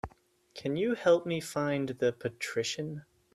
Can you help me find The Patrician?